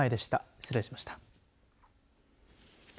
失礼しました。